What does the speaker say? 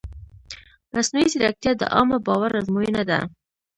مصنوعي ځیرکتیا د عامه باور ازموینه ده.